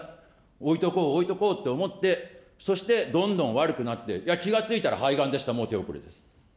置いとこう、置いとこうと思って、そしてどんどん悪くなって、いや、気がついたら肺がんでした、もう手遅れですって。